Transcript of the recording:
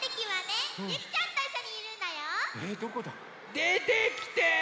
でてきて！